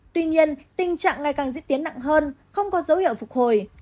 tuy nhiên tình trạng ngày càng diễn tiến nặng hơn không có dấu hiệu phục hồi